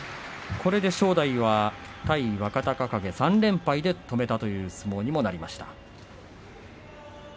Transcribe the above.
これで正代は対若隆景３連敗で止めたという相撲になりました。